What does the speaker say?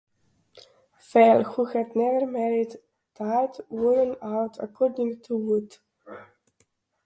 Fell, who had never married, died worn out, according to Wood.